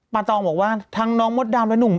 ตองบอกว่าทั้งน้องมดดำและหนุ่ม